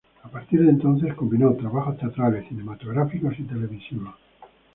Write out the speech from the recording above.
A partir de entonces, combinó trabajos teatrales, cinematográficos y televisivos.